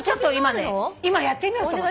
今やってみようと思う。